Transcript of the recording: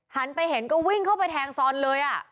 หันไปเห็นก็วิ่งเข้าไปแทงซอนเลย